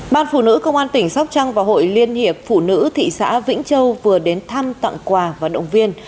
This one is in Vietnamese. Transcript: ban phụ nữ công an tỉnh sóc trăng và hội liên hiệp phụ nữ thị xã vĩnh châu vừa đến thăm tặng quà và động viên